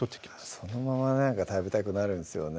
そのまま食べたくなるんですよね